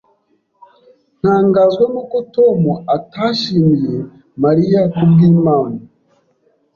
Ntangazwa nuko Tom atashimiye Mariya kubwimpano.